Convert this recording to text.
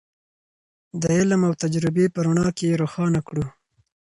د علم او تجربې په رڼا کې یې روښانه کړو.